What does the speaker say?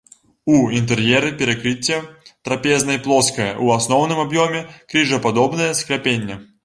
У інтэр'еры перакрыцце трапезнай плоскае, у асноўным аб'ёме крыжападобнае скляпенне.